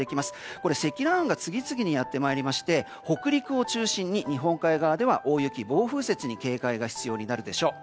これ、積乱雲が次々にやってまいりまして北陸を中心に日本海側では大雪暴風雪に警戒が必要になるでしょう。